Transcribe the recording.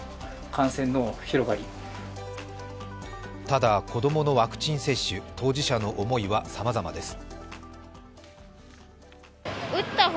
ただ子供のワクチン接種、当事者の思いはさまざまです。